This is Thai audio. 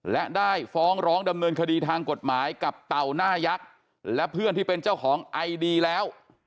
และได้ฟ้องร้องดำเนินคดีทางกฎหมายกับเต่าหน้ายักษ์และเพื่อนที่เป็นเจ้าของไอดีแล้ว